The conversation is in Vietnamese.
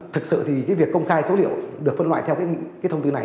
thực sự thì việc công khai số liệu được phân loại theo thông tư này